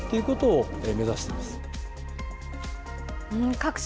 各社